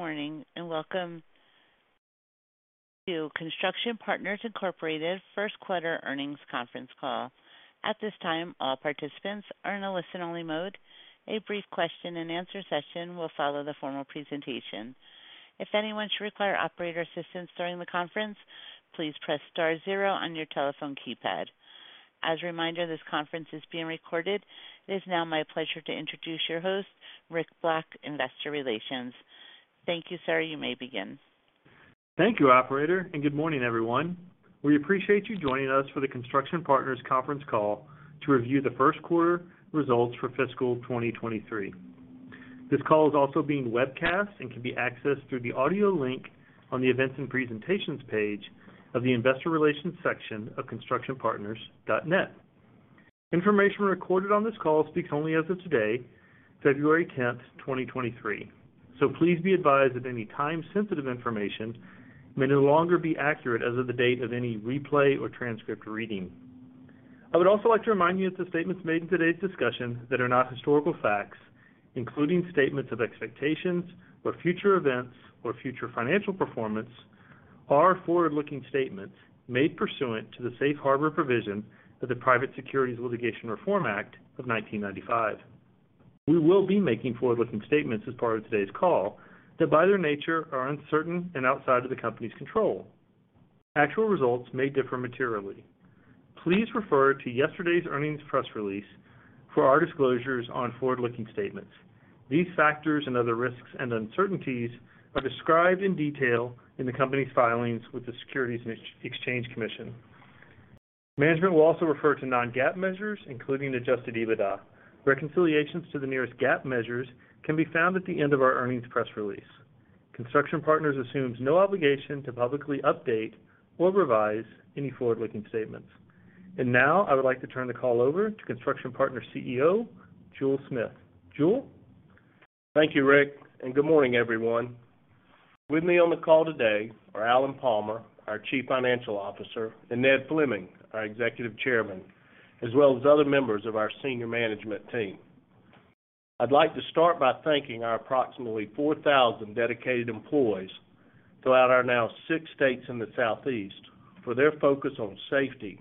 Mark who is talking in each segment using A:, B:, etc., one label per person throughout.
A: Good morning. Welcome to Construction Partners, Inc. First Quarter Earnings Conference Call. At this time, all participants are in a listen-only mode. A brief question-and-answer session will follow the formal presentation. If anyone should require operator assistance during the conference, please press star zero on your telephone keypad. As a reminder, this conference is being recorded. It is now my pleasure to introduce your host, Rick Black, Investor Relations. Thank you, sir. You may begin.
B: Thank you, operator, good morning, everyone. We appreciate you joining us for the Construction Partners conference call to review the first quarter results for fiscal 2023. This call is also being webcast and can be accessed through the audio link on the Events and Presentations page of the Investor Relations section of constructionpartners.net. Information recorded on this call speaks only as of today, February 10th, 2023. Please be advised that any time-sensitive information may no longer be accurate as of the date of any replay or transcript reading. I would also like to remind you that the statements made in today's discussion that are not historical facts, including statements of expectations or future events or future financial performance, are forward-looking statements made pursuant to the Safe Harbor provision of the Private Securities Litigation Reform Act of 1995. We will be making forward-looking statements as part of today's call that, by their nature, are uncertain and outside of the company's control. Actual results may differ materially. Please refer to yesterday's earnings press release for our disclosures on forward-looking statements. These factors and other risks and uncertainties are described in detail in the company's filings with the Securities and Exchange Commission. Management will also refer to non-GAAP measures, including adjusted EBITDA. Reconciliations to the nearest GAAP measures can be found at the end of our earnings press release. Construction Partners assumes no obligation to publicly update or revise any forward-looking statements. Now, I would like to turn the call over to Construction Partners CEO, Jule Smith. Jule?
C: Thank you, Rick. Good morning, everyone. With me on the call today are Alan Palmer, our Chief Financial Officer, and Ned Fleming, our Executive Chairman, as well as other members of our senior management team. I'd like to start by thanking our approximately 4,000 dedicated employees throughout our now six states in the Southeast for their focus on safety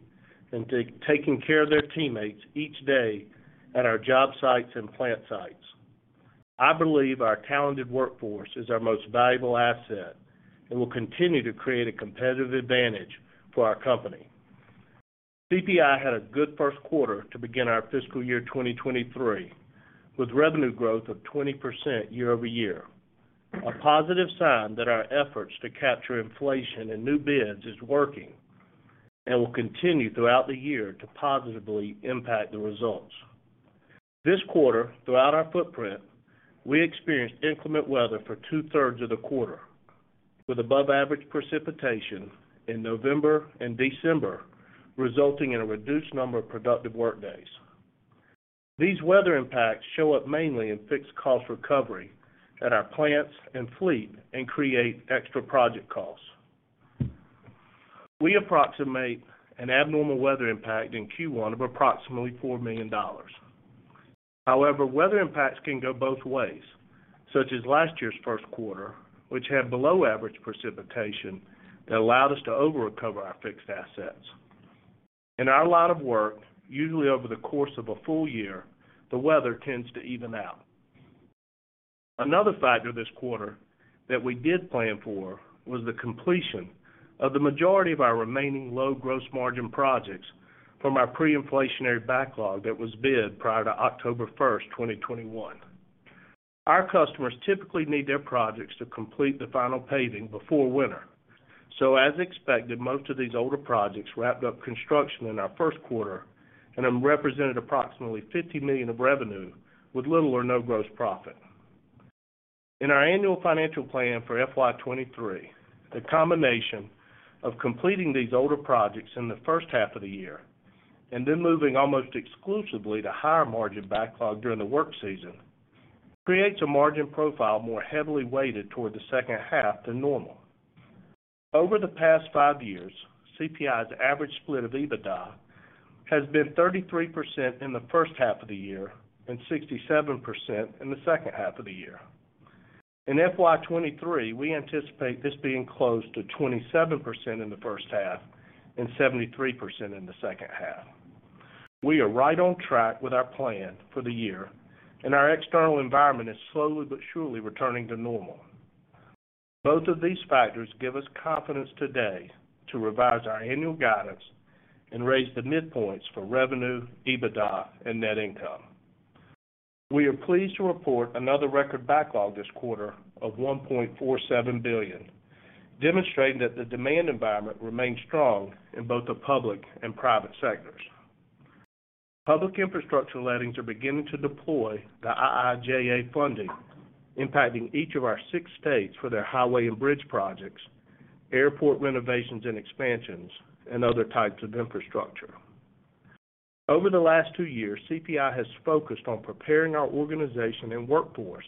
C: and taking care of their teammates each day at our job sites and plant sites. I believe our talented workforce is our most valuable asset and will continue to create a competitive advantage for our company. CPI had a good first quarter to begin our fiscal year 2023, with revenue growth of 20% year-over-year. A positive sign that our efforts to capture inflation in new bids is working and will continue throughout the year to positively impact the results. This quarter, throughout our footprint, we experienced inclement weather for two-thirds of the quarter, with above average precipitation in November and December, resulting in a reduced number of productive workdays. These weather impacts show up mainly in fixed cost recovery at our plants and fleet and create extra project costs. We approximate an abnormal weather impact in Q1 of approximately $4 million. However, weather impacts can go both ways, such as last year's first quarter, which had below average precipitation that allowed us to over-recover our fixed assets. In our line of work, usually over the course of a full year, the weather tends to even out. Another factor this quarter that we did plan for was the completion of the majority of our remaining low gross margin projects from our pre-inflationary backlog that was bid prior to October first, 2021. Our customers typically need their projects to complete the final paving before winter. As expected, most of these older projects wrapped up construction in our first quarter then represented approximately $50 million of revenue with little or no gross profit. In our annual financial plan for FY 2023, the combination of completing these older projects in the first half of the year then moving almost exclusively to higher margin backlog during the work season creates a margin profile more heavily weighted toward the second half than normal. Over the past five years, CPI's average split of EBITDA has been 33% in the first half of the year and 67% in the second half of the year. In FY 2023, we anticipate this being close to 27% in the first half and 73% in the second half. We are right on track with our plan for the year, and our external environment is slowly but surely returning to normal. Both of these factors give us confidence today to revise our annual guidance and raise the midpoints for revenue, EBITDA, and net income. We are pleased to report another record backlog this quarter of $1.47 billion, demonstrating that the demand environment remains strong in both the public and private sectors. Public infrastructure lettings are beginning to deploy the IIJA funding, impacting each of our six states for their highway and bridge projects, airport renovations and expansions, and other types of infrastructure. Over the last two years, CPI has focused on preparing our organization and workforce,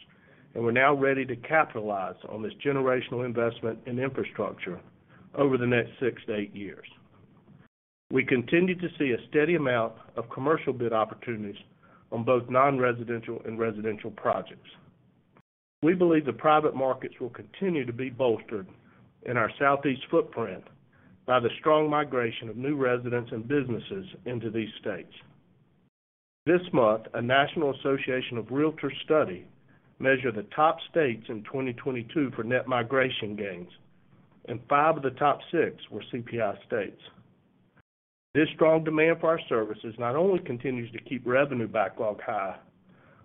C: and we're now ready to capitalize on this generational investment in infrastructure over the next six to eight years. We continue to see a steady amount of commercial bid opportunities on both non-residential and residential projects. We believe the private markets will continue to be bolstered in our southeast footprint by the strong migration of new residents and businesses into these states. This month, a National Association of Realtors study measured the top states in 2022 for net migration gains, and five of the top six were CPI states. This strong demand for our services not only continues to keep revenue backlog high,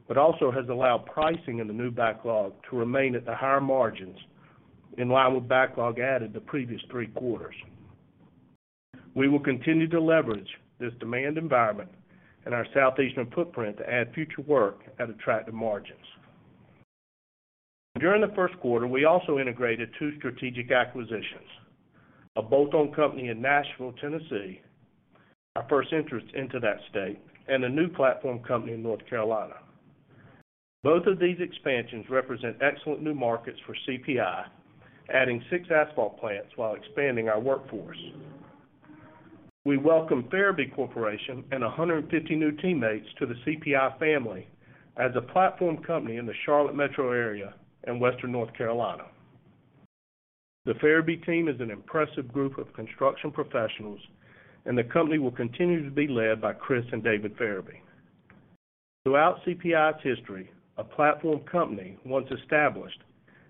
C: but also has allowed pricing in the new backlog to remain at the higher margins, in line with backlog added the previous three quarters. We will continue to leverage this demand environment and our southeastern footprint to add future work at attractive margins. During the first quarter, we also integrated two strategic acquisitions, a bolt-on company in Nashville, Tennessee, our first interest into that state, and a new platform company in North Carolina. Both of these expansions represent excellent new markets for CPI, adding six asphalt plants while expanding our workforce. We welcome Ferebee Corporation and 150 new teammates to the CPI family as a platform company in the Charlotte metro area in western North Carolina. The Ferebee team is an impressive group of construction professionals, and the company will continue to be led by Chris and David Ferebee. Throughout CPI's history, a platform company, once established,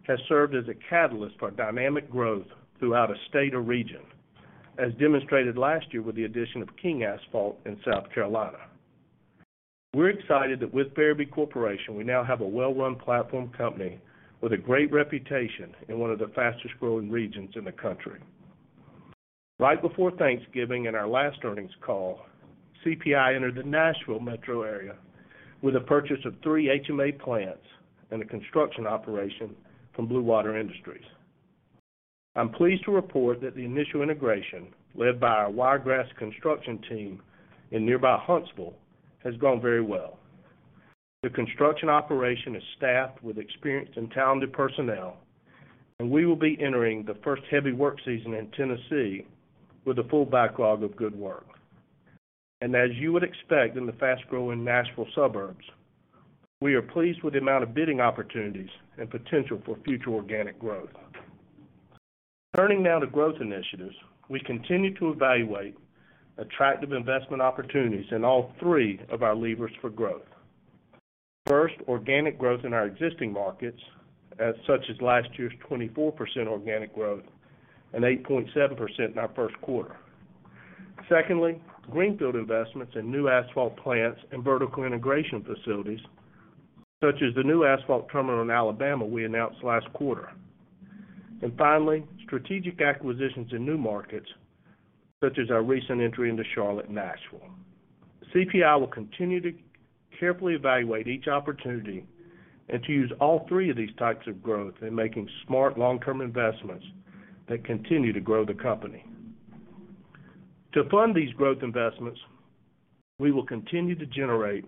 C: has served as a catalyst for dynamic growth throughout a state or region, as demonstrated last year with the addition of King Asphalt in South Carolina. We're excited that with Ferebee Corporation, we now have a well-run platform company with a great reputation in one of the fastest-growing regions in the country. Right before Thanksgiving, in our last earnings call, CPI entered the Nashville metro area with the purchase of three HMA plants and a construction operation from Blue Water Industries. I'm pleased to report that the initial integration, led by our Wiregrass Construction team in nearby Huntsville, has gone very well. The construction operation is staffed with experienced and talented personnel, we will be entering the first heavy work season in Tennessee with a full backlog of good work. As you would expect in the fast-growing Nashville suburbs, we are pleased with the amount of bidding opportunities and potential for future organic growth. Turning now to growth initiatives. We continue to evaluate attractive investment opportunities in all three of our levers for growth. First, organic growth in our existing markets, as such as last year's 24% organic growth and 8.7% in our first quarter. Secondly, greenfield investments in new asphalt plants and vertical integration facilities, such as the new asphalt terminal in Alabama we announced last quarter. Finally, strategic acquisitions in new markets, such as our recent entry into Charlotte and Nashville. CPI will continue to carefully evaluate each opportunity and to use all three of these types of growth in making smart long-term investments that continue to grow the company. To fund these growth investments, we will continue to generate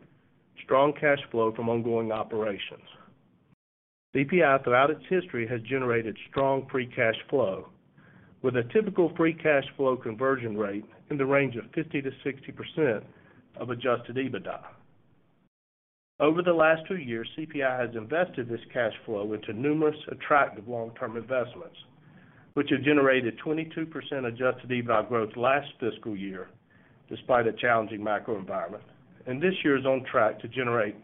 C: strong cash flow from ongoing operations. CPI, throughout its history, has generated strong free cash flow, with a typical free cash flow conversion rate in the range of 50%-60% of adjusted EBITDA. Over the last two years, CPI has invested this cash flow into numerous attractive long-term investments, which have generated 22% adjusted EBITDA growth last fiscal year, despite a challenging macro environment. This year is on track to generate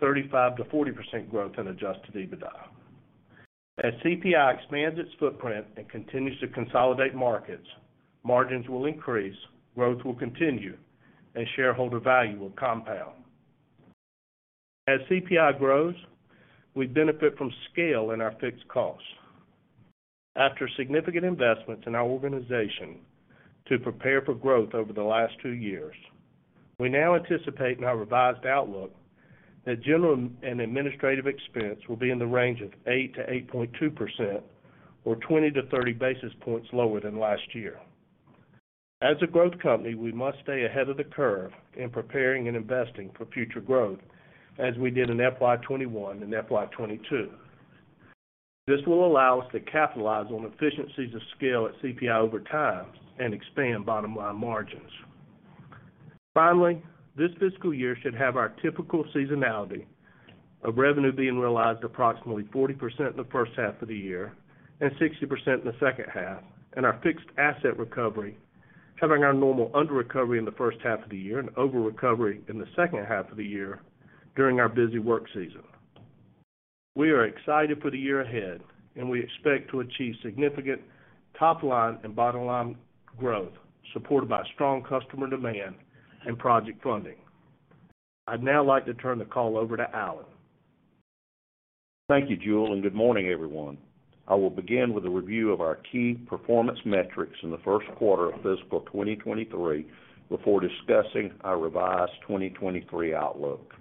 C: 35%-40% growth in adjusted EBITDA. As CPI expands its footprint and continues to consolidate markets, margins will increase, growth will continue, and shareholder value will compound. As CPI grows, we benefit from scale in our fixed costs. After significant investments in our organization to prepare for growth over the last two years, we now anticipate in our revised outlook that general and administrative expense will be in the range of 8%-8.2% or 20-30 basis points lower than last year. As a growth company, we must stay ahead of the curve in preparing and investing for future growth as we did in FY 2021 and FY 2022. This will allow us to capitalize on efficiencies of scale at CPI over time and expand bottom line margins. Finally, this fiscal year should have our typical seasonality of revenue being realized approximately 40% in the first half of the year and 60% in the second half, and our fixed asset recovery having our normal underrecovery in the first half of the year and overrecovery in the second half of the year during our busy work season. We are excited for the year ahead and we expect to achieve significant top line and bottom line growth, supported by strong customer demand and project funding. I'd now like to turn the call over to Alan.
D: Thank you, Jule, and good morning, everyone. I will begin with a review of our key performance metrics in the first quarter of fiscal 2023 before discussing our revised 2023 outlook.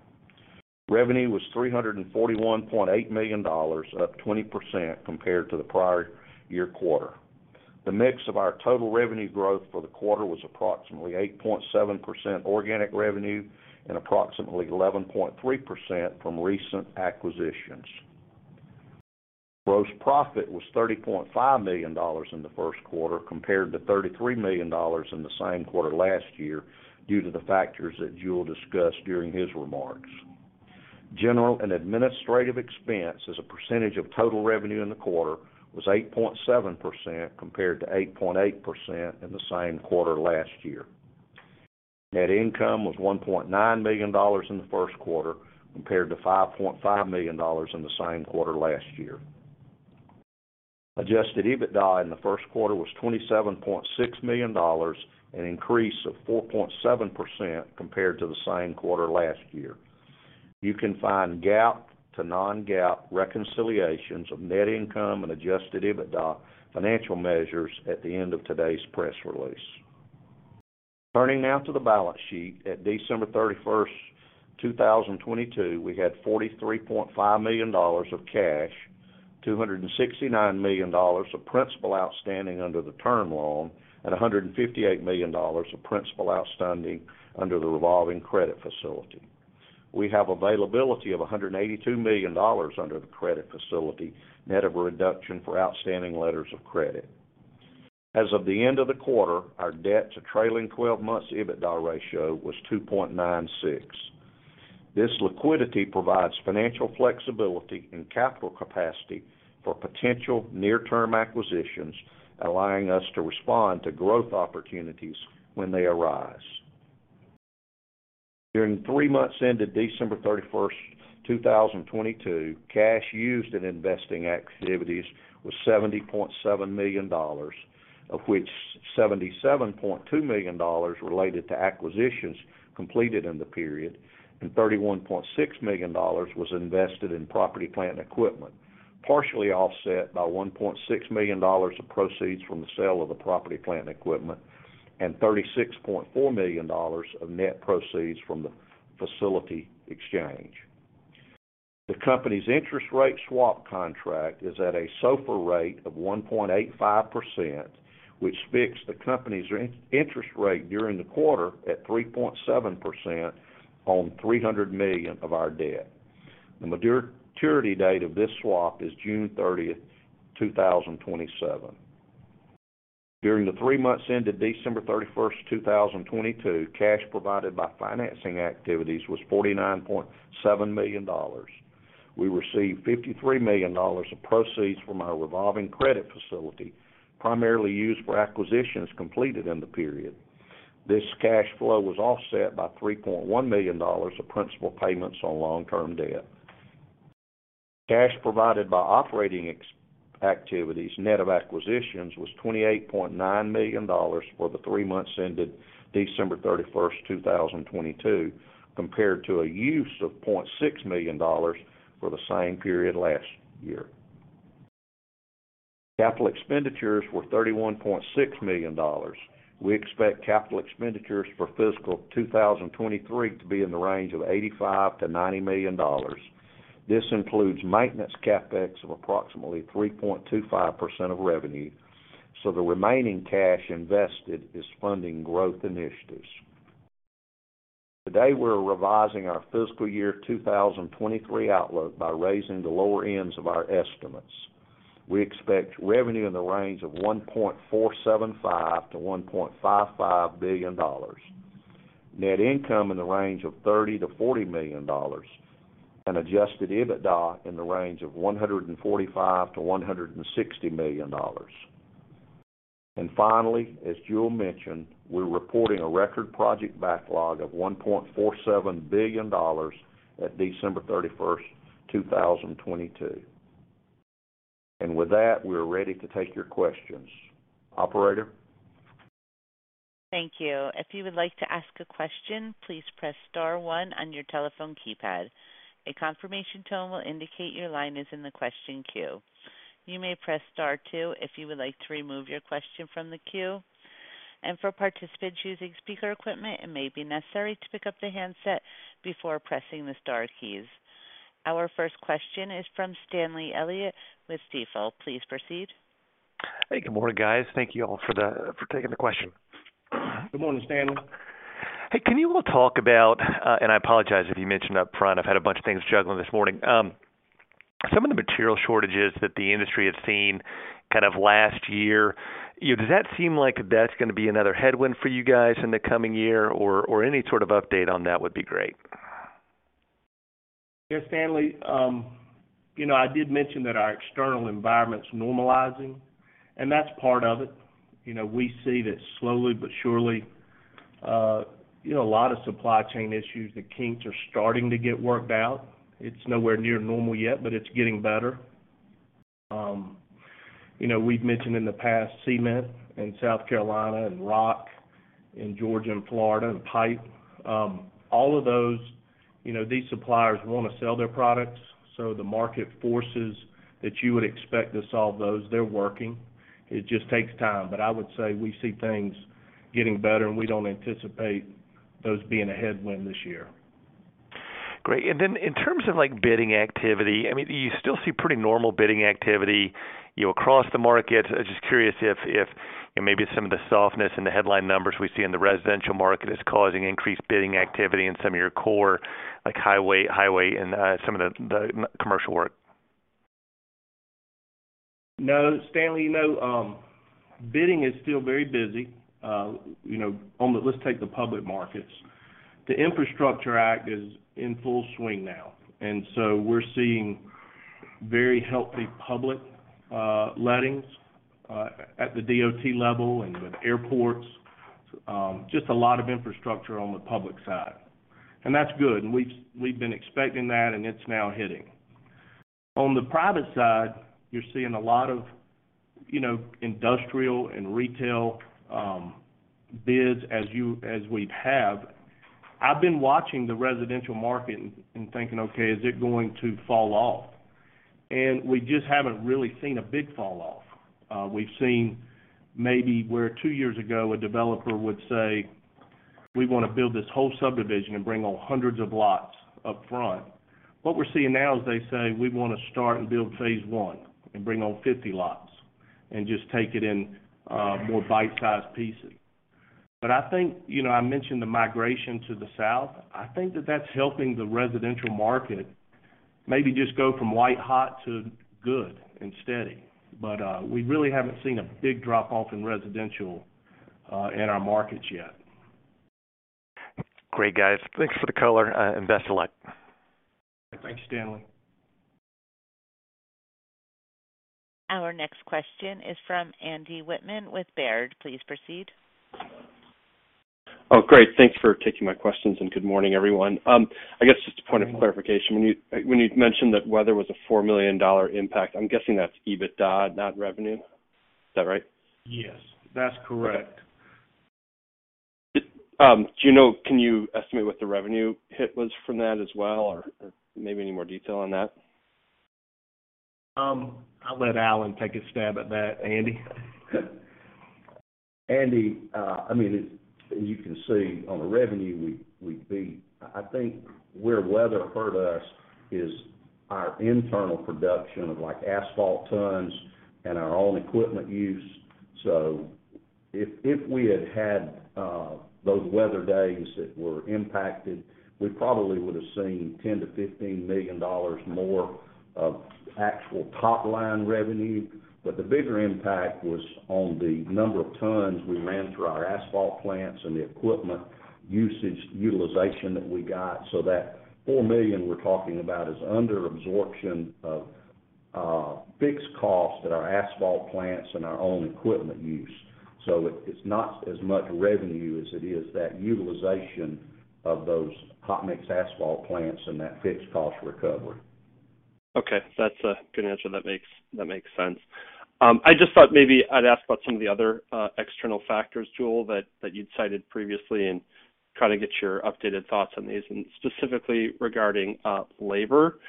D: Revenue was $341.8 million, up 20% compared to the prior year quarter. The mix of our total revenue growth for the quarter was approximately 8.7% organic revenue and approximately 11.3% from recent acquisitions. Gross profit was $30.5 million in the first quarter compared to $33 million in the same quarter last year due to the factors that Jule discussed during his remarks. General and administrative expense as a percentage of total revenue in the quarter was 8.7% compared to 8.8% in the same quarter last year. Net income was $1.9 million in the first quarter compared to $5.5 million in the same quarter last year. Adjusted EBITDA in the first quarter was $27.6 million, an increase of 4.7% compared to the same quarter last year. You can find GAAP to non-GAAP reconciliations of net income and Adjusted EBITDA financial measures at the end of today's press release. Turning now to the balance sheet. At December 31, 2022, we had $43.5 million of cash, $269 million of principal outstanding under the term loan, and $158 million of principal outstanding under the revolving credit facility. We have availability of $182 million under the credit facility, net of a reduction for outstanding letters of credit. As of the end of the quarter, our debt to trailing 12 months EBITDA ratio was 2.96. This liquidity provides financial flexibility and capital capacity for potential near-term acquisitions, allowing us to respond to growth opportunities when they arise. During the three months ended December 31, 2022, cash used in investing activities was $70.7 million, of which $77.2 million related to acquisitions completed in the period, and $31.6 million was invested in property, plant, and equipment, partially offset by $1.6 million of proceeds from the sale of the property, plant, and equipment, and $36.4 million of net proceeds from the facility exchange. The company's interest rate swap contract is at a SOFR rate of 1.85%, which fixed the company's interest rate during the quarter at 3.7% on $300 million of our debt. The maturity date of this swap is June 30, 2027. During the three months ended December 31, 2022, cash provided by financing activities was $49.7 million. We received $53 million of proceeds from our revolving credit facility, primarily used for acquisitions completed in the period. This cash flow was offset by $3.1 million of principal payments on long-term debt. Cash provided by operating activities, net of acquisitions, was $28.9 million for the threeonths ended December 31, 2022, compared to a use of $0.6 million for the same period last year. Capital expenditures were $31.6 million. We expect Capital expenditures for fiscal 2023 to be in the range of $85 million-$90 million. This includes maintenance CapEx of approximately 3.25% of revenue, so the remaining cash invested is funding growth initiatives. Today, we're revising our fiscal year 2023 outlook by raising the lower ends of our estimates. We expect revenue in the range of $1.475 billion-$1.55 billion. Net income in the range of $30 million-$40 million and adjusted EBITDA in the range of $145 million-$160 million. Finally, as Jule mentioned, we're reporting a record project backlog of $1.47 billion at December 31, 2022. With that, we are ready to take your questions. Operator?
A: Thank you. If you would like to ask a question, please press star one on your telephone keypad. A confirmation tone will indicate your line is in the question queue. You may press star two if you would like to remove your question from the queue. For participants using speaker equipment, it may be necessary to pick up the handset before pressing the star keys. Our first question is from Stanley Elliott with Stifel. Please proceed.
E: Hey, good morning, guys. Thank you all for taking the question.
D: Good morning, Stanley.
E: Hey, can you all talk about, and I apologize if you mentioned upfront, I've had a bunch of things juggling this morning. Some of the material shortages that the industry had seen kind of last year, you know, does that seem like that's gonna be another headwind for you guys in the coming year? Any sort of update on that would be great.
D: Yes, Stanley. You know, I did mention that our external environment's normalizing, and that's part of it. You know, we see that slowly but surely, you know, a lot of supply chain issues, the kinks are starting to get worked out. It's nowhere near normal yet. It's getting better. You know, we've mentioned in the past, cement in South Carolina and rock in Georgia and Florida, and pipe. All of those, you know, these suppliers wanna sell their products, so the market forces that you would expect to solve those, they're working. It just takes time. I would say we see things getting better, and we don't anticipate those being a headwind this year.
E: Great. In terms of, like, bidding activity, I mean, do you still see pretty normal bidding activity, you know, across the market? I'm just curious if maybe some of the softness in the headline numbers we see in the residential market is causing increased bidding activity in some of your core, like highway and some of the commercial work.
C: No, Stanley, no. Bidding is still very busy. You know, let's take the public markets. The Infrastructure Act is in full swing now. We're seeing very healthy public lettings at the DOT level and with airports. Just a lot of infrastructure on the public side, that's good. We've been expecting that, it's now hitting. On the private side, you're seeing a lot of, you know, industrial and retail bids as we have. I've been watching the residential market and thinking, okay, is it going to fall off? We just haven't really seen a big fall off. We've seen maybe where two years ago, a developer would say, "We wanna build this whole subdivision and bring all hundreds of lots up front." What we're seeing now is they say, "We wanna start and build phase 1 and bring on 50 lots and just take it in more bite-sized pieces." I think, you know, I mentioned the migration to the South. I think that that's helping the residential market maybe just go from white hot to good and steady. We really haven't seen a big drop-off in residential in our markets yet.
E: Great, guys. Thanks for the color, and best of luck.
C: Thanks, Stanley.
A: Our next question is from Andy Wittmann with Baird. Please proceed.
F: Oh, great. Thanks for taking my questions. Good morning, everyone. I guess just a point of clarification. When you'd mentioned that weather was a $4 million impact, I'm guessing that's EBITDA, not revenue. Is that right?
C: Yes, that's correct.
F: Can you estimate what the revenue hit was from that as well or maybe any more detail on that?
C: I'll let Alan take a stab at that, Andy.
D: Andy, I mean, as you can see on the revenue, we beat. I think where weather hurt us is our internal production of, like, asphalt tons and our own equipment use. If we had had those weather days that were impacted, we probably would have seen $10 million-$15 million more of actual top-line revenue. The bigger impact was on the number of tons we ran through our asphalt plants and the equipment usage utilization that we got. That $4 million we're talking about is under absorption of fixed costs at our asphalt plants and our own equipment use. It's not as much revenue as it is that utilization of those hot mix asphalt plants and that fixed cost recovery.
F: Okay. That's a good answer. That makes, that makes sense. I just thought maybe I'd ask about some of the other external factors, Jule, that you'd cited previously and kind of get your updated thoughts on these. Specifically regarding labor,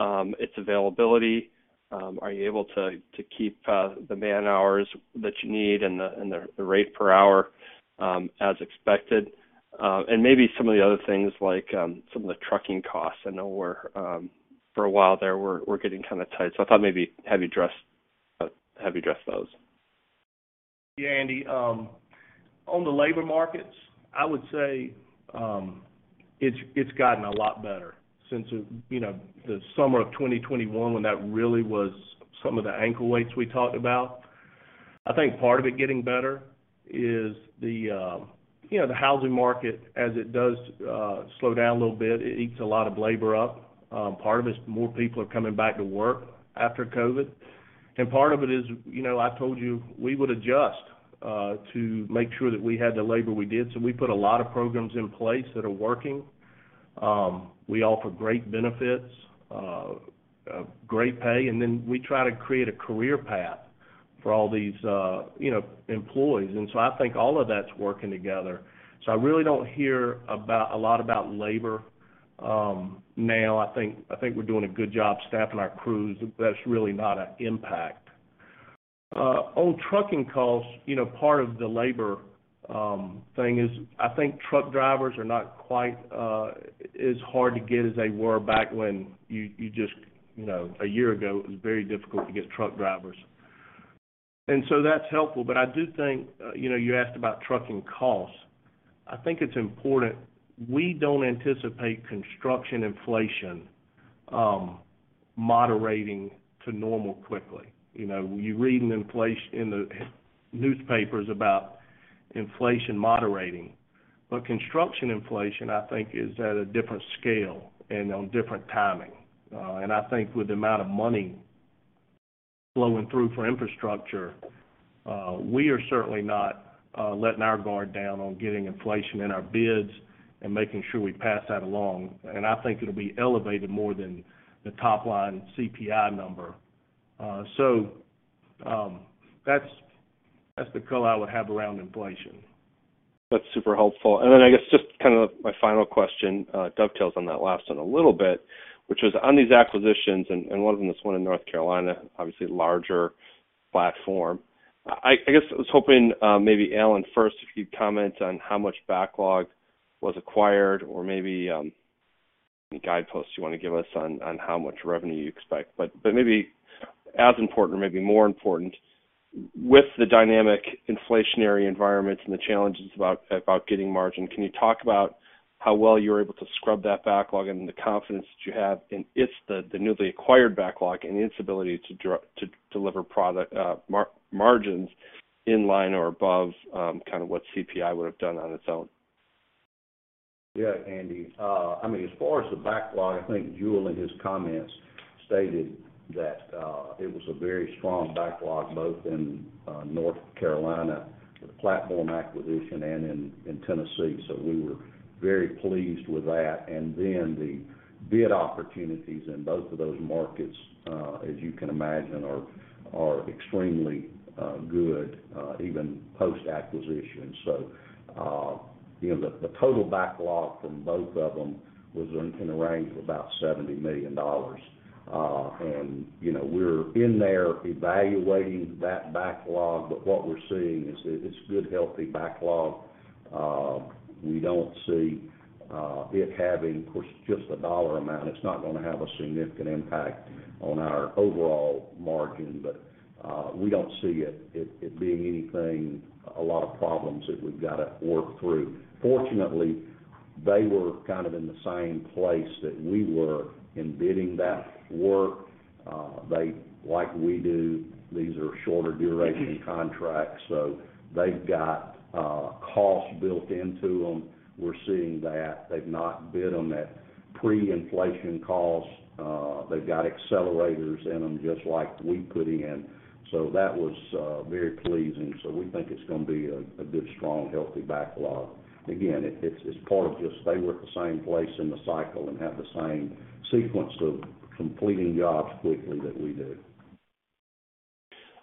F: its availability, are you able to keep the man-hours that you need and the rate per hour as expected? Maybe some of the other things like some of the trucking costs. I know were for a while there were getting kind of tight. I thought maybe have you addressed, have you addressed those?
C: Yeah, Andy. On the labor markets, I would say, it's gotten a lot better since, you know, the summer of 2021 when that really was some of the ankle weights we talked about. I think part of it getting better is the, you know, the housing market as it does slow down a little bit, it eats a lot of labor up. Part of it is more people are coming back to work after COVID. Part of it is, you know, I told you we would adjust to make sure that we had the labor we did. We put a lot of programs in place that are working. We offer great benefits, great pay, and then we try to create a career path for all these, you know, employees. I think all of that's working together. I really don't hear a lot about labor now. I think we're doing a good job staffing our crews. That's really not a impact. On trucking costs, you know, part of the labor thing is, I think truck drivers are not quite as hard to get as they were back when you just, you know, a year ago, it was very difficult to get truck drivers. That's helpful. I do think, you know, you asked about trucking costs. I think it's important. We don't anticipate construction inflation moderating to normal quickly. You know, you read in the newspapers about inflation moderating. Construction inflation, I think, is at a different scale and on different timing. I think with the amount of money flowing through for infrastructure, we are certainly not letting our guard down on getting inflation in our bids and making sure we pass that along. I think it'll be elevated more than the top-line CPI number. That's the color I would have around inflation.
F: That's super helpful. I guess just kind of my final question dovetails on that last one a little bit, which was on these acquisitions, and one of them is one in North Carolina, obviously larger platform. I guess I was hoping maybe Alan first, if you'd comment on how much backlog was acquired or maybe Any guideposts you want to give us on how much revenue you expect? Maybe as important or maybe more important, with the dynamic inflationary environment and the challenges about getting margin, can you talk about how well you're able to scrub that backlog and the confidence that you have in its newly acquired backlog and its ability to deliver product margins in line or above kind of what CPI would have done on its own?
D: Yeah, Andy. I mean, as far as the backlog, I think Jule in his comments stated that it was a very strong backlog both in North Carolina with the platform acquisition and in Tennessee. We were very pleased with that. The bid opportunities in both of those markets, as you can imagine are extremely good, even post-acquisition. You know, the total backlog from both of them was in the range of about $70 million. You know, we're in there evaluating that backlog, but what we're seeing is that it's good, healthy backlog. We don't see it having... Of course, just the dollar amount, it's not gonna have a significant impact on our overall margin, but we don't see it being anything, a lot of problems that we've gotta work through. Fortunately, they were kind of in the same place that we were in bidding that work. They, like we do, these are shorter duration contracts, so they've got cost built into them. We're seeing that. They've not bid on that pre-inflation cost. They've got accelerators in them just like we put in. That was very pleasing, so we think it's gonna be a good, strong, healthy backlog. Again, it's part of just they were at the same place in the cycle and have the same sequence of completing jobs quickly that we do.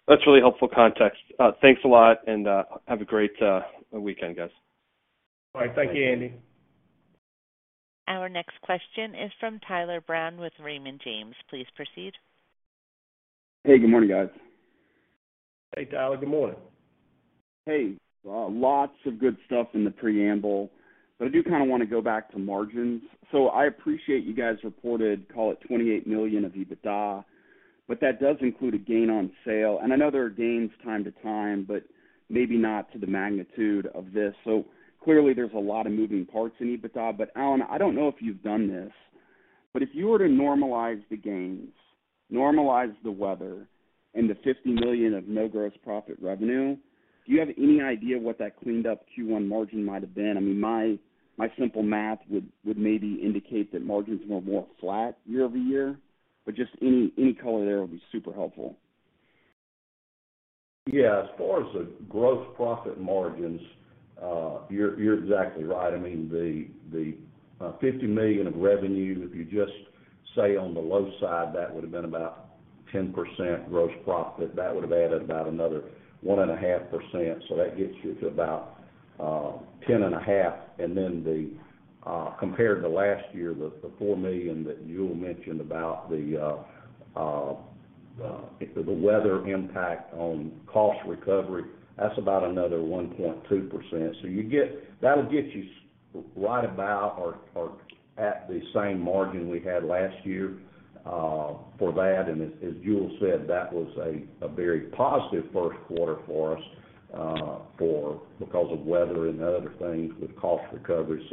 F: That's really helpful context. Thanks a lot, and have a great weekend, guys.
D: All right. Thank you, Andy.
A: Our next question is from Tyler Brown with Raymond James. Please proceed.
G: Hey, good morning, guys.
D: Hey, Tyler. Good morning.
G: Lots of good stuff in the preamble, I do kinda wanna go back to margins. I appreciate you guys reported, call it $28 million of EBITDA, but that does include a gain on sale. I know there are gains time to time, but maybe not to the magnitude of this. Clearly, there's a lot of moving parts in EBITDA. Alan, I don't know if you've done this, but if you were to normalize the gains, normalize the weather and the $50 million of no gross profit revenue, do you have any idea what that cleaned up Q1 margin might have been? I mean, my simple math would maybe indicate that margins were more flat year-over-year. Just any color there would be super helpful.
D: As far as the gross profit margins, you're exactly right. I mean, the $50 million of revenue, if you just say on the low side, that would have been about 10% gross profit, that would have added about another 1.5%. That gets you to about 10.5. Then the compared to last year, the $4 million that Jule mentioned about the weather impact on cost recovery, that's about another 1.2%. That'll get you right about or at the same margin we had last year for that. As Jule said, that was a very positive first quarter for us because of weather and other things with cost recovery.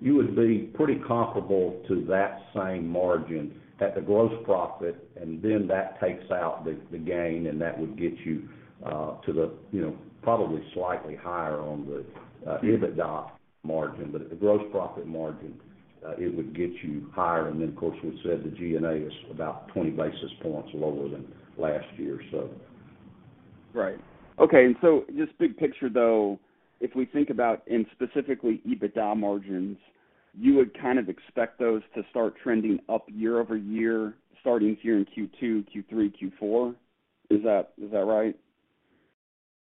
D: You would be pretty comparable to that same margin at the gross profit, and then that takes out the gain, and that would get you, to the, you know, probably slightly higher on the EBITDA margin. The gross profit margin, it would get you higher. Then, of course, we've said the G&A is about 20 basis points lower than last year.
G: Right. Okay. Just big picture, though, if we think about in specifically EBITDA margins, you would kind of expect those to start trending up year-over-year, starting here in Q2, Q3, Q4. Is that, is that right?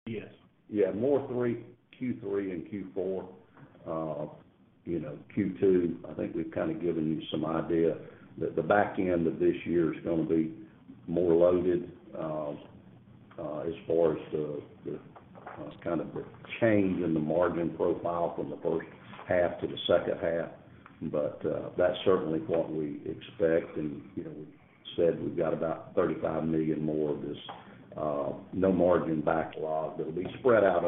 D: Yes. Yeah, more Q3 and Q4. You know, Q2, I think we've kind of given you some idea that the back end of this year is gonna be more loaded as far as the kind of the change in the margin profile from the first half to the second half. That's certainly what we expect. You know, we said we've got about $35 million more of this no margin backlog that'll be spread out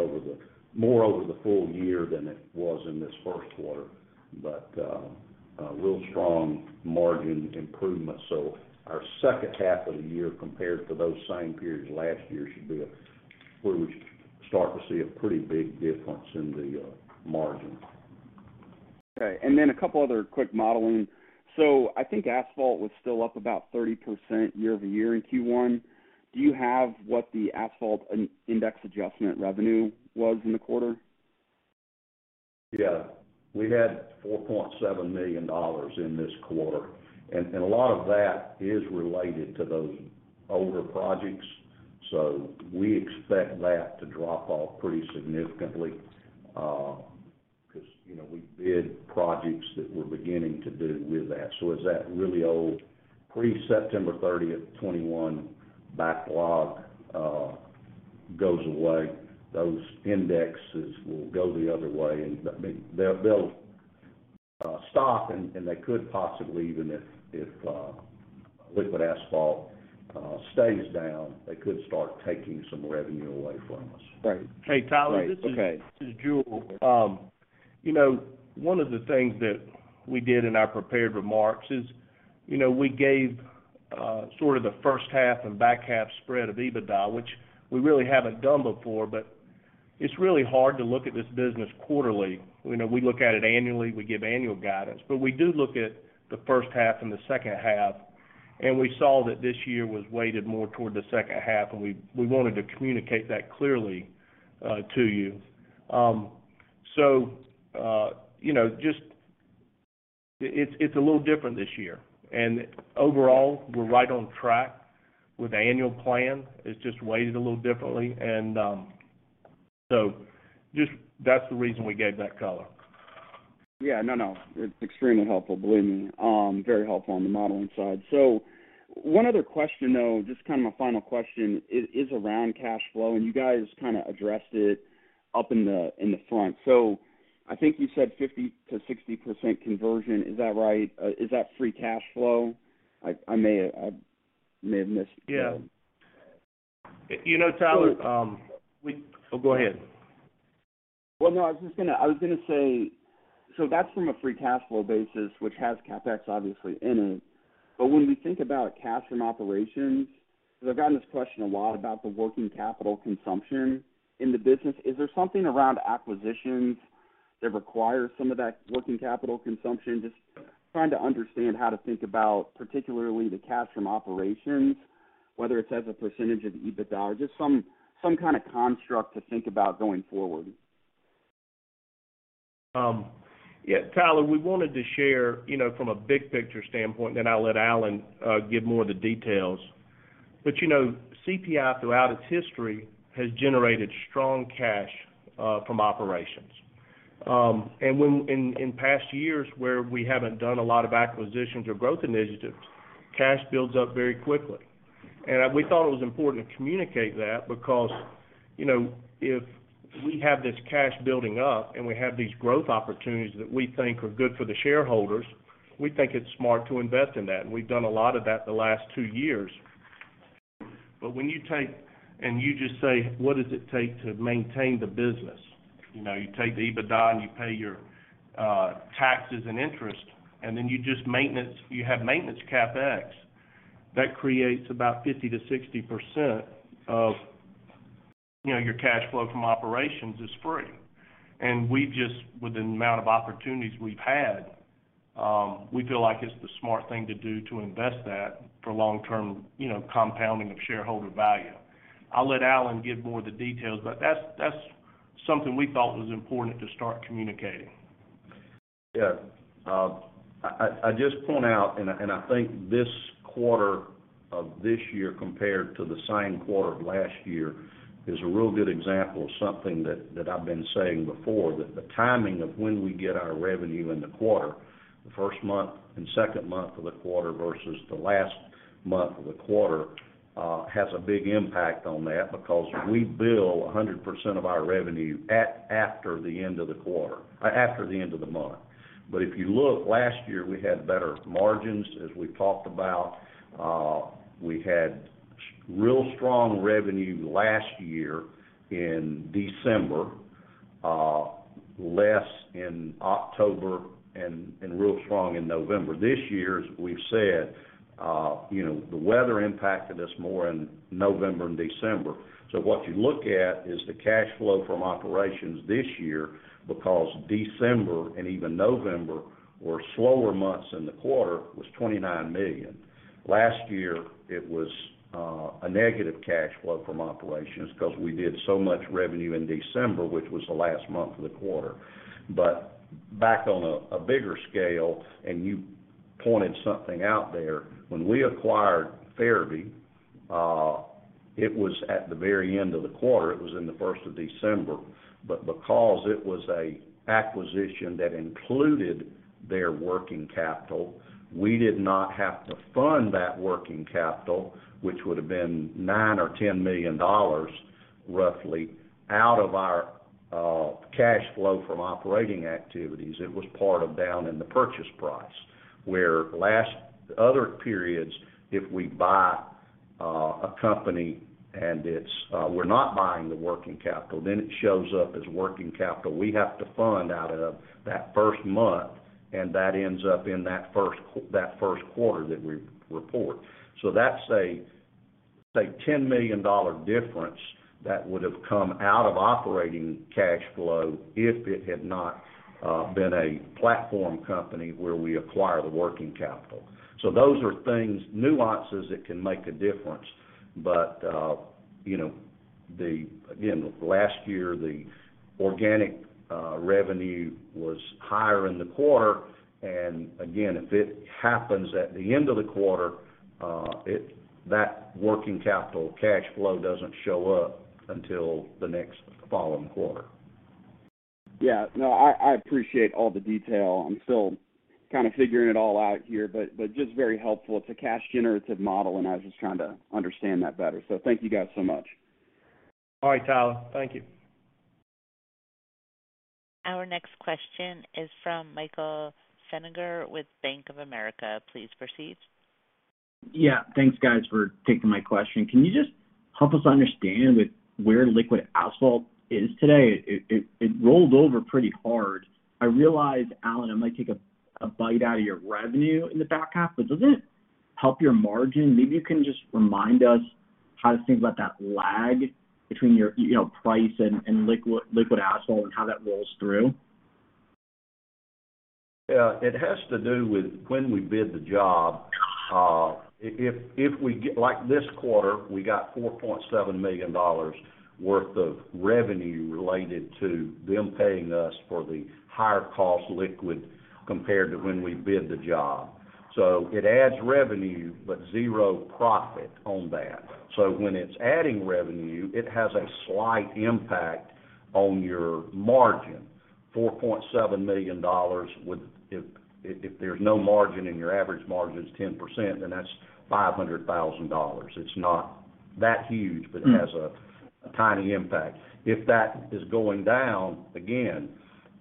D: more over the full year than it was in this first quarter. A real strong margin improvement. Our second half of the year compared to those same periods last year should be where we should start to see a pretty big difference in the margins.
G: Okay. A couple other quick modeling. I think asphalt was still up about 30% year-over-year in Q1. Do you have what the asphalt index adjustment revenue was in the quarter?
D: Yeah. We had $4.7 million in this quarter, a lot of that is related to those older projects. We expect that to drop off pretty significantly, because, you know, we bid projects that we're beginning to do with that. It's that really old pre-September 30th 2021 backlog goes away, those indexes will go the other way. I mean, they'll stop and they could possibly even if liquid asphalt stays down, they could start taking some revenue away from us.
C: Right. Hey, Tyler. Right. Okay. This is Jule. You know, one of the things that we did in our prepared remarks is, you know, we gave, sort of the first half and back half spread of EBITDA, which we really haven't done before, it's really hard to look at this business quarterly. You know, we look at it annually, we give annual guidance. We do look at the first half and the second half, and we wanted to communicate that clearly, to you. You know, just it's a little different this year. Overall, we're right on track with the annual plan. It's just weighted a little differently. Just that's the reason we gave that color.
G: Yeah. No. It's extremely helpful, believe me. Very helpful on the modeling side. One other question, though, just kind of a final question is around cash flow, and you guys kinda addressed it up in the, in the front. I think you said 50%-60% conversion. Is that right? Is that free cash flow? I may have missed.
C: Yeah. You know- You know, Tyler. Oh, go ahead.
G: No, I was just gonna say, so that's from a free cash flow basis, which has CapEx obviously in it. When we think about cash from operations, 'cause I've gotten this question a lot about the working capital consumption in the business. Is there something around acquisitions that require some of that working capital consumption? Just trying to understand how to think about, particularly the cash from operations, whether it's as a percentage of EBITDA or just some kind of construct to think about going forward.
C: Yeah, Tyler, we wanted to share, you know, from a big picture standpoint, I'll let Alan give more of the details. You know, CPI throughout its history has generated strong cash from operations. In past years where we haven't done a lot of acquisitions or growth initiatives, cash builds up very quickly. We thought it was important to communicate that because, you know, if we have this cash building up and we have these growth opportunities that we think are good for the shareholders, we think it's smart to invest in that. We've done a lot of that the last two years. When you take and you just say, "What does it take to maintain the business?" You know, you take the EBITDA, and you pay your taxes and interest, and then you just you have maintenance CapEx. That creates about 50%-60% of, you know, your cash flow from operations is free. We've just, with the amount of opportunities we've had, we feel like it's the smart thing to do to invest that for long-term, you know, compounding of shareholder value. I'll let Alan give more of the details, but that's something we thought was important to start communicating.
D: I just point out, and I think this quarter of this year compared to the same quarter of last year is a real good example of something that I've been saying before. The timing of when we get our revenue in the quarter, the first month and second month of the quarter versus the last month of the quarter, has a big impact on that because we bill 100% of our revenue after the end of the quarter, after the end of the month. If you look, last year, we had better margins, as we've talked about. We had real strong revenue last year in December, less in October and real strong in November. This year, as we've said, you know, the weather impacted us more in November and December. What you look at is the cash flow from operations this year because December and even November were slower months in the quarter, was $29 million. Last year, it was a negative cash flow from operations because we did so much revenue in December, which was the last month of the quarter. Back on a bigger scale, and you pointed something out there. When we acquired Fairview, it was at the very end of the quarter. It was in the first of December. Because it was a acquisition that included their working capital, we did not have to fund that working capital, which would have been $9 million or $10 million roughly, out of our cash flow from operating activities. It was part of down in the purchase price. Where other periods, if we buy a company and we're not buying the working capital, then it shows up as working capital. We have to fund out of that first month, and that ends up in that first quarter that we report. That's a $10 million difference that would have come out of operating cash flow if it had not been a platform company where we acquire the working capital. Those are things, nuances that can make a difference. You know, again, last year, the organic revenue was higher in the quarter. Again, if it happens at the end of the quarter, it that working capital cash flow doesn't show up until the next following quarter.
G: No, I appreciate all the detail. I'm still kind of figuring it all out here, but just very helpful. It's a cash generative model, and I was just trying to understand that better. Thank you guys so much.
C: All right, Tyler. Thank you.
A: Our next question is from Michael Feniger with Bank of America. Please proceed.
H: Thanks, guys, for taking my question. Can you just help us understand with where liquid asphalt is today? It rolled over pretty hard. I realize, Alan, it might take a bite out of your revenue in the back half, but does it help your margin? Maybe you can just remind us how to think about that lag between your, you know, price and liquid asphalt and how that rolls through.
D: Yeah. It has to do with when we bid the job. If we get like this quarter, we got $4.7 million worth of revenue related to them paying us for the higher cost liquid compared to when we bid the job. It adds revenue but 0 profit on that. When it's adding revenue, it has a slight impact on your margin. $4.7 million would. If there's no margin and your average margin is 10%, then that's $500,000. It's not that huge, but it has a tiny impact. If that is going down, again,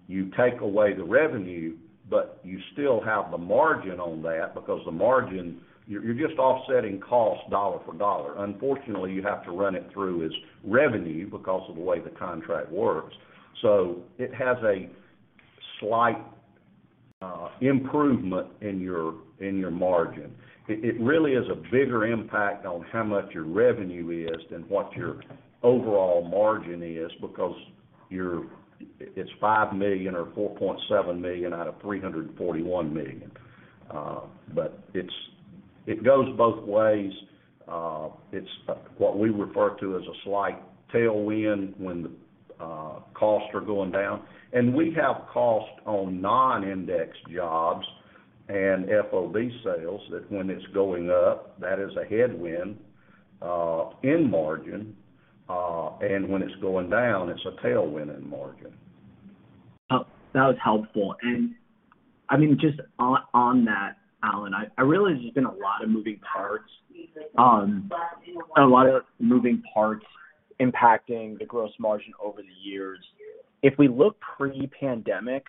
D: you take away the revenue, but you still have the margin on that because the margin. You're just offsetting costs dollar for dollar. Unfortunately, you have to run it through as revenue because of the way the contract works. It has a slight improvement in your margin. It really is a bigger impact on how much your revenue is than what your overall margin is because it's $5 million or $4.7 million out of $341 million. It goes both ways. It's what we refer to as a slight tailwind when the costs are going down. We have cost on non-indexed jobs and FOB sales that when it's going up, that is a headwind in margin. When it's going down, it's a tailwind in margin.
H: Oh, that was helpful. I mean, just on that, Alan, I realize there's been a lot of moving parts. A lot of moving parts impacting the gross margin over the years. If we look pre-pandemic,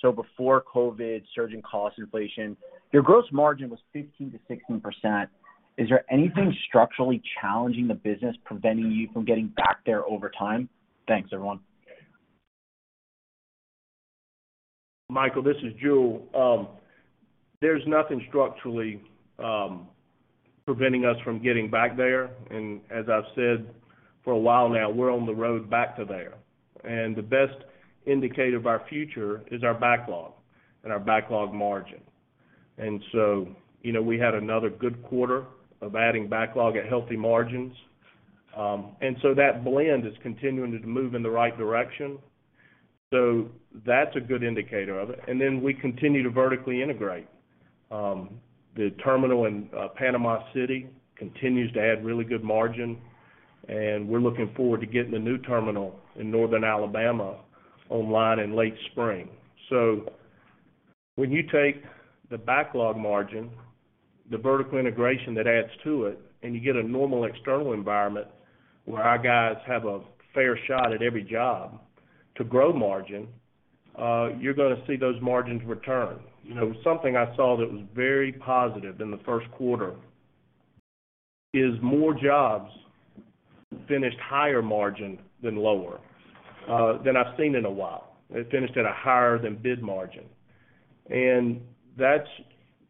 H: so before COVID, surging cost inflation, your gross margin was 15%-16%. Is there anything structurally challenging the business preventing you from getting back there over time? Thanks, everyone.
C: Michael, this is Jule. There's nothing structurally preventing us from getting back there. As I've said for a while now, we're on the road back to there. The best indicator of our future is our backlog and our backlog margin. You know, we had another good quarter of adding backlog at healthy margins. That blend is continuing to move in the right direction. That's a good indicator of it. We continue to vertically integrate. The terminal in Panama City continues to add really good margin, and we're looking forward to getting the new terminal in northern Alabama online in late spring. When you take the backlog margin, the vertical integration that adds to it, and you get a normal external environment where our guys have a fair shot at every job to grow margin, you're gonna see those margins return. You know, something I saw that was very positive in the first quarter is more jobs finished higher margin than lower than I've seen in a while. They finished at a higher than bid margin. And that's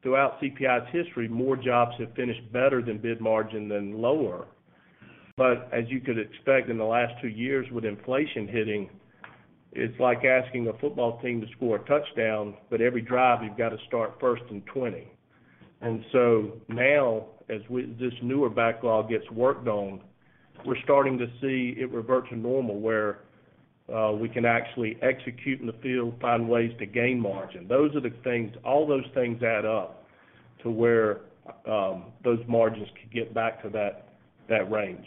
C: throughout CPI's history, more jobs have finished better than bid margin than lower. As you could expect in the last 2 years with inflation hitting, it's like asking a football team to score a touchdown, but every drive you've got to start first and twenty. Now, as this newer backlog gets worked on, we're starting to see it revert to normal, where we can actually execute in the field, find ways to gain margin. All those things add up to where those margins could get back to that range.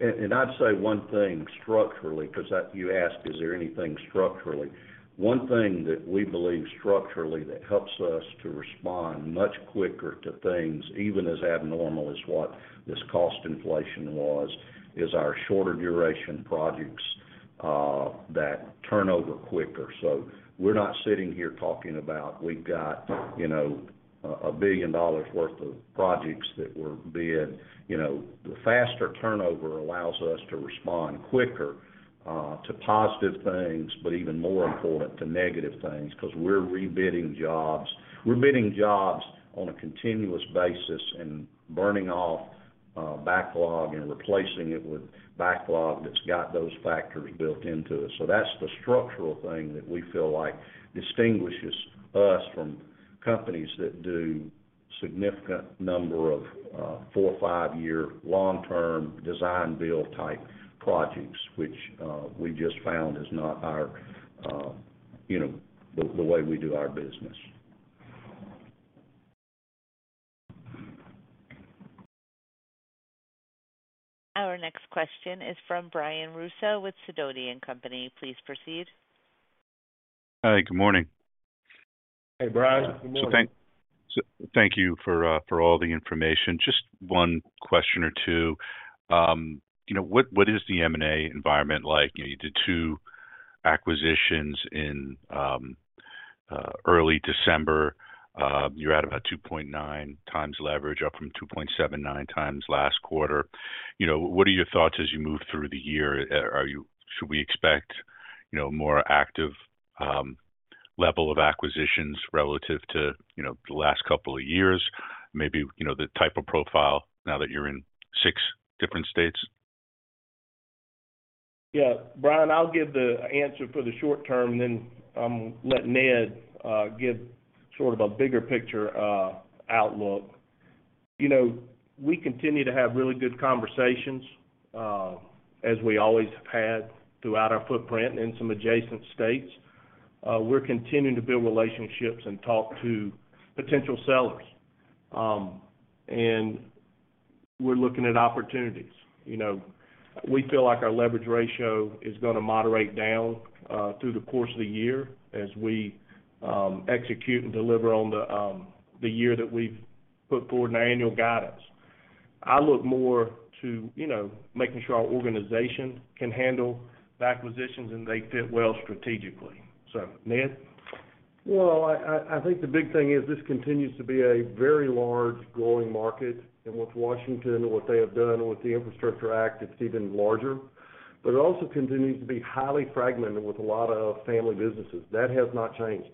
D: I'd say one thing structurally, because you asked, is there anything structurally? One thing that we believe structurally that helps us to respond much quicker to things, even as abnormal as what this cost inflation was, is our shorter duration projects that turn over quicker. We're not sitting here talking about we've got, you know, a billion worth of projects that were bid. You know, the faster turnover allows us to respond quicker to positive things, but even more important, to negative things because we're rebidding jobs. We're bidding jobs on a continuous basis and burning off backlog and replacing it with backlog that's got those factors built into it. That's the structural thing that we feel like distinguishes us from companies that do significant number of four or five year long-term design build type projects, which, we just found is not our, you know, the way we do our business.
A: Our next question is from Brian Russo with Sidoti & Company. Please proceed.
I: Hi, good morning.
D: Hey, Brian. Good morning.
I: Thank you for all the information. Just one question or two. You know, what is the M&A environment like? You did two acquisitions in early December. You're at about 2.9x leverage, up from 2.79x last quarter. You know, what are your thoughts as you move through the year? Should we expect, you know, more active level of acquisitions relative to, you know, the last couple of years? Maybe, you know, the type of profile now that you're in six different states.
D: Yeah. Brian, I'll give the answer for the short term, and then I'm gonna let Ned give sort of a bigger picture outlook. You know, we continue to have really good conversations as we always have had throughout our footprint in some adjacent states. We're continuing to build relationships and talk to potential sellers. We're looking at opportunities. You know, we feel like our leverage ratio is gonna moderate down through the course of the year as we execute and deliver on the year that we've put forward in our annual guidance. I look more to, you know, making sure our organization can handle the acquisitions and they fit well strategically. Ned?
J: I think the big thing is this continues to be a very large growing market. With Washington, what they have done with the Infrastructure Act, it's even larger. It also continues to be highly fragmented with a lot of family businesses. That has not changed.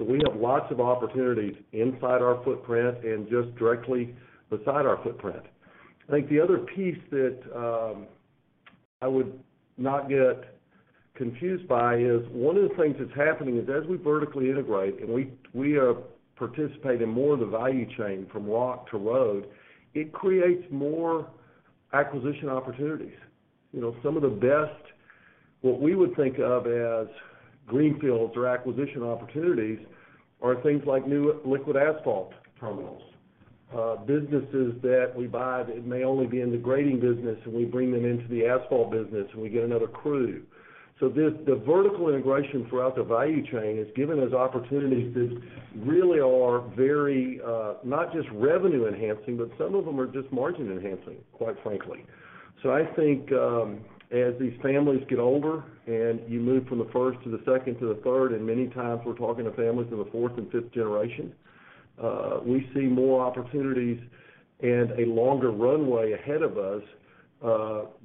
J: We have lots of opportunities inside our footprint and just directly beside our footprint. I think the other piece that I would not get confused by is one of the things that's happening is as we vertically integrate, and we are participating in more of the value chain from rock to road, it creates more acquisition opportunities. You know, some of the best, what we would think of as greenfields or acquisition opportunities are things like new liquid asphalt terminals. Businesses that we buy that may only be in the grading business, and we bring them into the asphalt business, and we get another crew. The vertical integration throughout the value chain has given us opportunities that really are very, not just revenue enhancing, but some of them are just margin enhancing, quite frankly. I think, as these families get older and you move from the first to the second to the third, and many times we're talking to families in the fourth and fifth generation, we see more opportunities and a longer runway ahead of us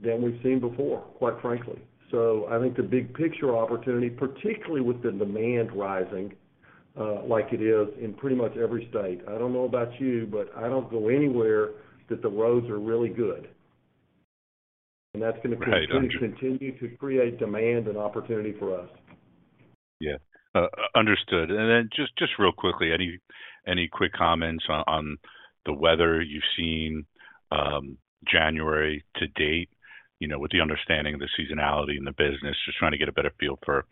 J: than we've seen before, quite frankly. I think the big picture opportunity, particularly with the demand rising, like it is in pretty much every state. I don't know about you, but I don't go anywhere that the roads are really good.
I: Right. Understood.
J: That's gonna continue to create demand and opportunity for us.
I: Yeah. Understood. Just real quickly, any quick comments on the weather you've seen, January to date? You know, with the understanding of the seasonality in the business, just trying to get a better feel for,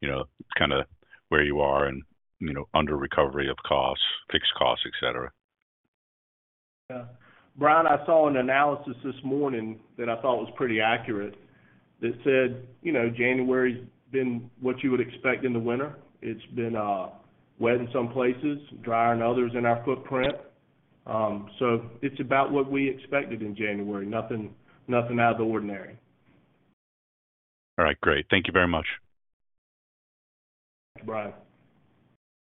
I: you know, kinda where you are and, you know, under recovery of costs, fixed costs, et cetera.
J: Yeah, Brian, I saw an analysis this morning that I thought was pretty accurate that said, you know, January's been what you would expect in the winter. It's been wet in some places, drier in others in our footprint. It's about what we expected in January. Nothing out of the ordinary.
I: All right, great. Thank you very much.
D: Thanks, Brian.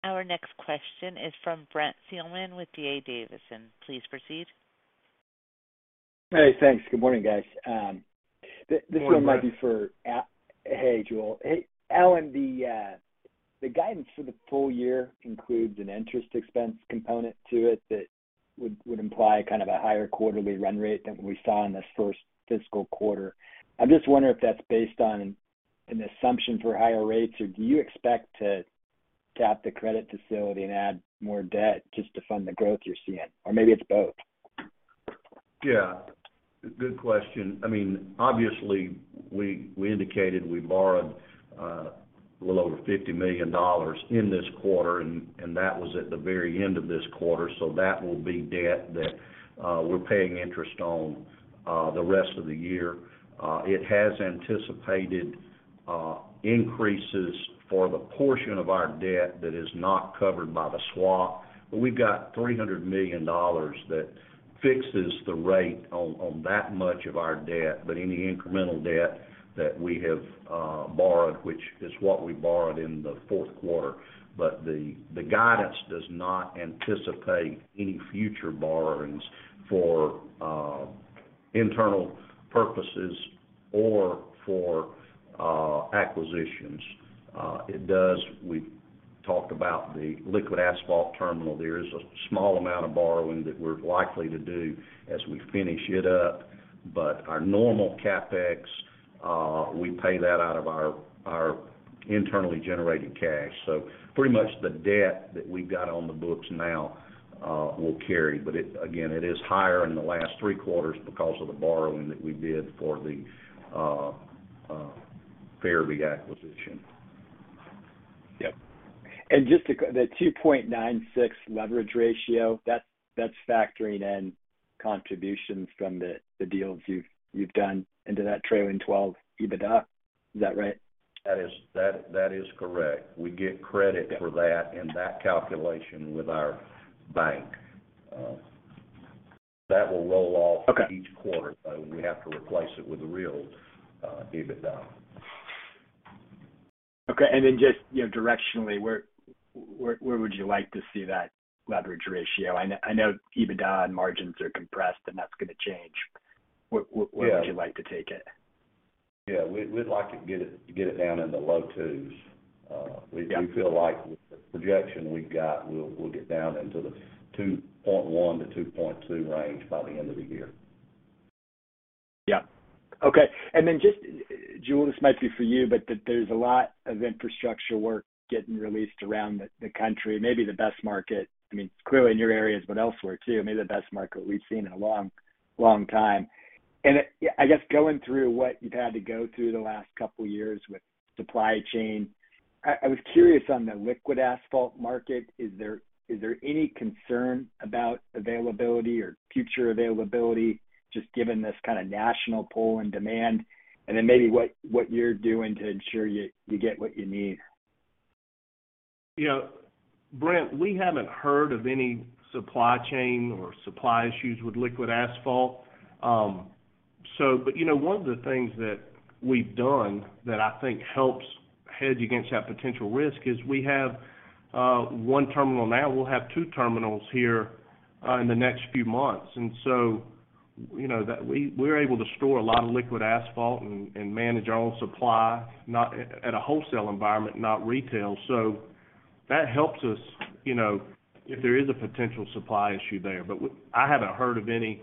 A: Our next question is from Brent Thielman with D.A. Davidson. Please proceed.
K: Hey, thanks. Good morning, guys. This one might be for Allan.
D: Good morning, Brent.
K: Hey, Jule. Alan, the guidance for the full year includes an interest expense component to it that would imply kind of a higher quarterly run rate than we saw in the first fiscal quarter. I'm just wondering if that's based on an assumption for higher rates, or do you expect to tap the credit facility and add more debt just to fund the growth you're seeing? Or maybe it's both.
D: Yeah. Good question. I mean, obviously we indicated we borrowed a little over $50 million in this quarter, and that was at the very end of this quarter. That will be debt that we're paying interest on the rest of the year. It has anticipated increases for the portion of our debt that is not covered by the swap. We've got $300 million that fixes the rate on that much of our debt, but any incremental debt that we have borrowed, which is what we borrowed in the fourth quarter. The guidance does not anticipate any future borrowings for internal purposes or for acquisitions. We've talked about the liquid asphalt terminal. There is a small amount of borrowing that we're likely to do as we finish it up. Our normal CapEx, we pay that out of our internally generated cash. Pretty much the debt that we've got on the books now, we'll carry. Again, it is higher in the last three quarters because of the borrowing that we did for the Fairview acquisition.
K: Yep. Just the 2.96 leverage ratio, that's factoring in contributions from the deals you've done into that trailing 12 EBITDA, is that right?
D: That is correct. We get credit-
K: Yeah.
D: for that in that calculation with our bank. That will roll off.
K: Okay.
D: each quarter, so we have to replace it with real EBITDA.
K: Okay. Just, you know, directionally, where would you like to see that leverage ratio? I know EBITDA and margins are compressed and that's gonna change.
D: Yeah.
K: Where would you like to take it?
D: Yeah. We'd like to get it down in the low twos.
K: Yeah.
D: We feel like with the projection we've got, we'll get down into the 2.1-2.2 range by the end of the year.
K: Yeah. Okay. Just, Jules, this might be for you, but there's a lot of infrastructure work getting released around the country. Maybe the best market. I mean, clearly in your areas, but elsewhere too. Maybe the best market we've seen in a long, long time. I guess going through what you've had to go through the last couple years with supply chain, I was curious on the liquid asphalt market, is there any concern about availability or future availability, just given this kind of national pull and demand? Maybe what you're doing to ensure you get what you need.
C: You know, Brent, we haven't heard of any supply chain or supply issues with liquid asphalt. You know, one of the things that we've done that I think helps hedge against that potential risk is we have one terminal now. We'll have two terminals here in the next few months. You know, that we're able to store a lot of liquid asphalt and manage our own supply, not at a wholesale environment, not retail. That helps us, you know, if there is a potential supply issue there. I haven't heard of any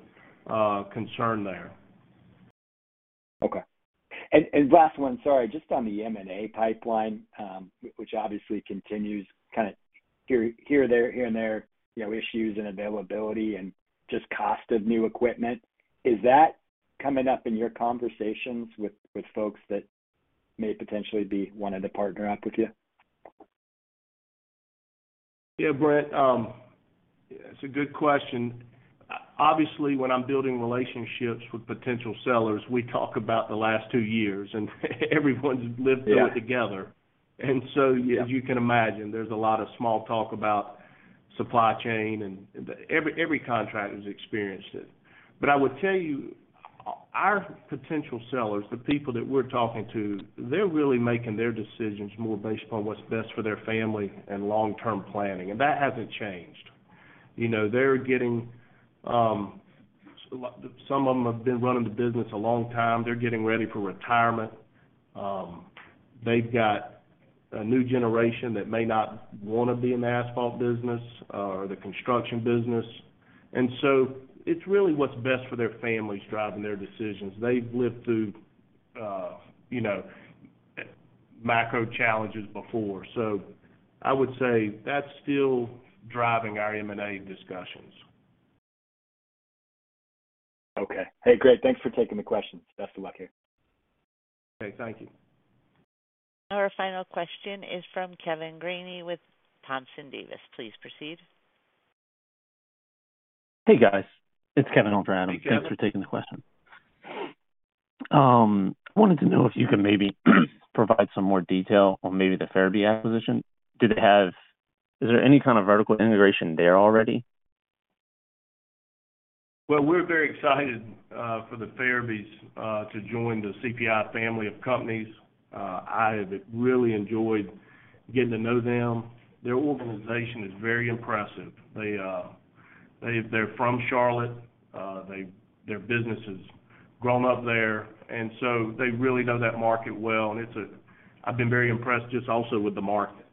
C: concern there.
K: Okay. Last one, sorry. Just on the M&A pipeline, which obviously continues kind of here or there, here and there, you know, issues in availability and just cost of new equipment. Is that coming up in your conversations with folks that may potentially be wanting to partner up with you?
C: Brent, it's a good question. Obviously, when I'm building relationships with potential sellers, we talk about the last two years, and everyone's lived through it together.
K: Yeah.
C: As you can imagine, there's a lot of small talk about supply chain. Every contractor's experienced it. I would tell you, our potential sellers, the people that we're talking to, they're really making their decisions more based upon what's best for their family and long-term planning, and that hasn't changed. You know, they're getting, some of them have been running the business a long time. They're getting ready for retirement. They've got a new generation that may not wanna be in the asphalt business or the construction business. It's really what's best for their families driving their decisions. They've lived through, you know, macro challenges before. I would say that's still driving our M&A discussions.
K: Okay. Hey, great. Thanks for taking the questions. Best of luck here.
C: Okay, thank you.
A: Our final question is from Kevin Gainey with Thompson Davis. Please proceed.
L: Hey, guys. It's Kevin on for Adam.
C: Hey, Kevin.
L: Thanks for taking the question. Wanted to know if you could maybe provide some more detail on maybe the Ferebee acquisition. Is there any kind of vertical integration there already?
C: Well, we're very excited for the Ferebee to join the CPI family of companies. I have really enjoyed getting to know them. Their organization is very impressive. They're from Charlotte. Their business has grown up there, and so they really know that market well. I've been very impressed just also with the market.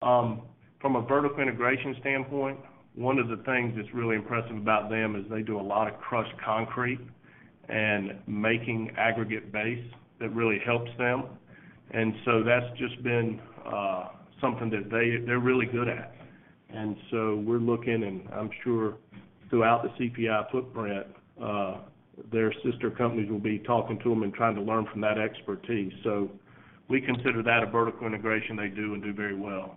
C: From a vertical integration standpoint, one of the things that's really impressive about them is they do a lot of crushed concrete and making aggregate base that really helps them. That's just been something that they're really good at. We're looking, and I'm sure throughout the CPI footprint, their sister companies will be talking to them and trying to learn from that expertise. We consider that a vertical integration they do and do very well.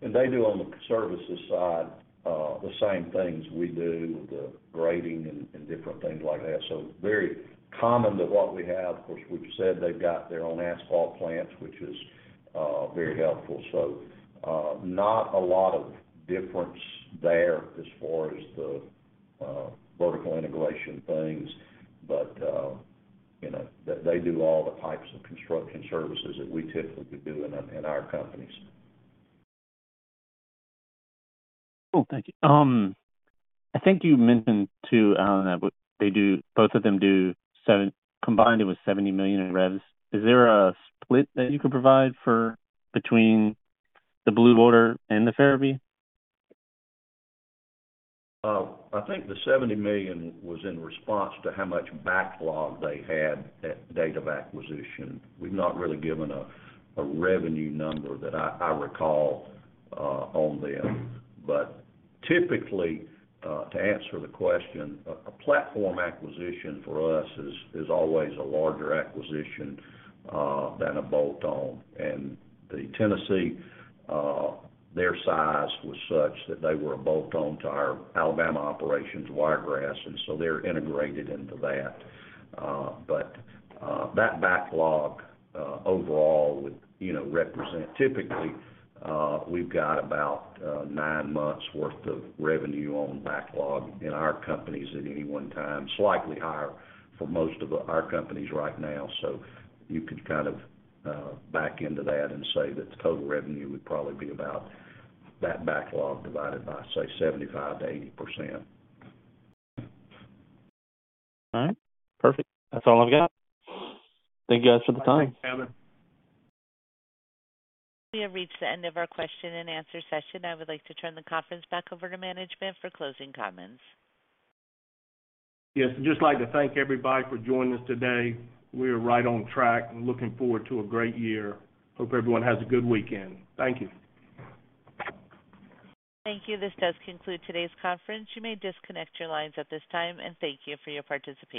D: They do on the services side, the same things we do, the grading and different things like that. Very common to what we have. Of course, we've said they've got their own asphalt plants, which is very helpful. Not a lot of difference there as far as the vertical integration things, but, you know, they do all the types of construction services that we typically do in our companies.
L: Cool. Thank you. I think you mentioned too, I don't know, but both of them combined it was $70 million in revs. Is there a split that you could provide for between the Blue Water and the Ferebee?
D: I think the $70 million was in response to how much backlog they had at date of acquisition. We've not really given a revenue number that I recall on them. Typically, to answer the question, a platform acquisition for us is always a larger acquisition than a bolt-on. The Tennessee, their size was such that they were a bolt-on to our Alabama operations, Wiregrass, and so they're integrated into that. That backlog overall would, you know, represent. Typically, we've got about 9 months worth of revenue on backlog in our companies at any one time, slightly higher for most of our companies right now. You could kind of back into that and say that the total revenue would probably be about that backlog divided by, say, 75%-80%.
L: All right. Perfect. That's all I've got. Thank you guys for the time.
C: Thanks, Kevin.
A: We have reached the end of our question and answer session. I would like to turn the conference back over to management for closing comments.
C: Yes, I'd just like to thank everybody for joining us today. We are right on track and looking forward to a great year. Hope everyone has a good weekend. Thank you.
A: Thank you. This does conclude today's conference. You may disconnect your lines at this time, and thank you for your participation.